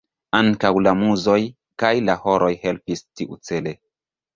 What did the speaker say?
Ankaŭ la muzoj kaj la horoj helpis tiucele.